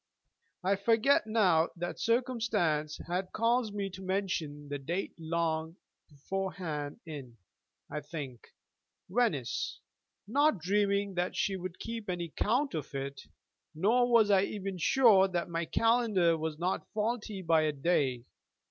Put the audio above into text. I forget now what circumstance had caused me to mention the date long beforehand in, I think, Venice, not dreaming that she would keep any count of it, nor was I even sure that my calendar was not faulty by a day.